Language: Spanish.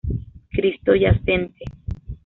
Cristo Yacente.